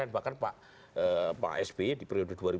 bahkan pak s b di periode dua ribu sembilan